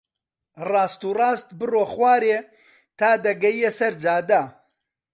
ڕاست و ڕاست بڕۆ خوارێ تا دەگەیە سەر جادە.